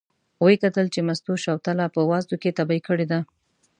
و یې کتل چې مستو شوتله په وازده کې تبی کړې ده.